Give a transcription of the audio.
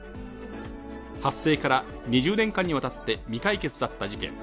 発生から２０年間にわたって未解決だった事件。